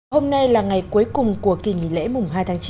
hôm nay là ngày cuối cùng của kỳ nghỉ lễ mùng hai tháng chín